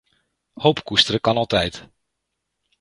Hoop koesteren kan altijd.